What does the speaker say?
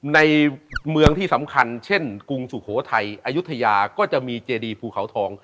ในเมืองที่สำคัญเช่นกรุงสุโขทัยอายุทยาก็จะมีเจดีภูเขาทอง